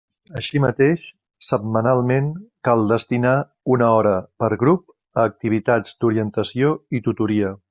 Així mateix, setmanalment cal destinar una hora per grup a activitats d'orientació i tutoria.